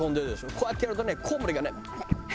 こうやってやるとねコウモリがね。